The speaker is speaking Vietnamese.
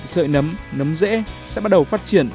sợi nấm nấm dễ sẽ bắt đầu phát triển